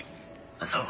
そう。